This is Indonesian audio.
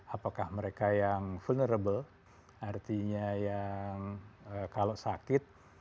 apakah mereka yang vulnerable artinya yang kalau sakit